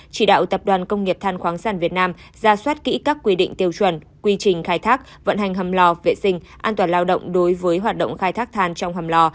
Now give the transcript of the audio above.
chỉ đạo tập đoàn công nghiệp than khoáng sản việt nam ra soát kỹ các quy định tiêu chuẩn quy trình khai thác vận hành hầm lò vệ sinh an toàn lao động đối với hoạt động khai thác than trong hầm lò